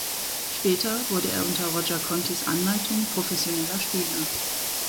Später wurde er unter Roger Contis Anleitung professioneller Spieler.